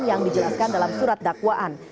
yang dijelaskan dalam surat dakwaan